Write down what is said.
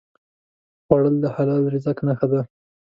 خوړل د حلال رزق نښه ده